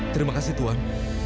terima kasih tuhan